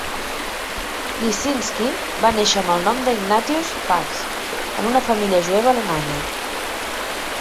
Lisinski va néixer amb el nom de Ignatius Fuchs en una família jueva alemanya.